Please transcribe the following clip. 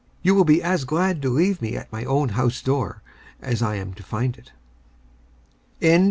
You will be as glad to leave me at my own house door, as I am to find it. MISERIES.